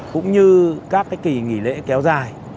cũng như các kỳ nghỉ lễ kéo dài